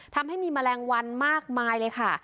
ทำให้มีแมลงวันมากมายเลยค่ะ